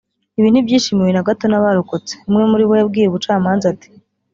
Ibi ntibyishimiwe na gato n’abarokotse; umwe muri bo yabwiye ubucamanza ati